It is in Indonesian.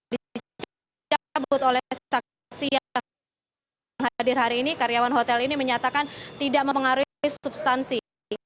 dicabut oleh saksi yang hadir hari ini karyawan hotel ini menyatakan tidak mempengaruhi substansi